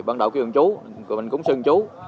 ban đầu kêu chú rồi mình cũng xưng chú